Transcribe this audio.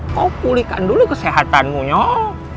kau pulihkan dulu kesehatanmu nyong